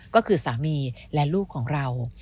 ก็คือสามีและลูกของเรา